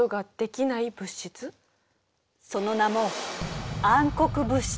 その名も暗黒物質。